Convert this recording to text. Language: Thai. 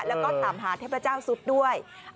แล้วก็ถามหาเทพเจ้าซุปด้วย